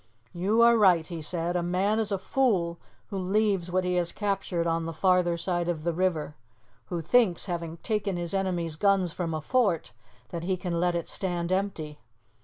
"You are right," he said. "A man is a fool who leaves what he has captured on the farther side of the river, who thinks, having taken his enemy's guns from a fort, that he can let it stand empty.